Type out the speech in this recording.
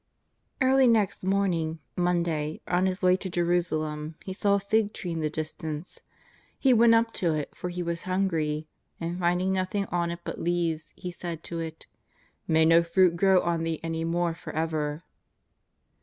Early next morning, Monday, on His way to Jeru salem, He saw a fig tree in the distance. He went up to it, for He was hungry. And finding nothing on it but leaves, He said to it :" May no fruit grow on thee any more for ever."